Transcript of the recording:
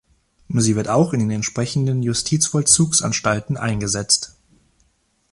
Sie wird auch in den entsprechenden Justizvollzugsanstalten eingesetzt.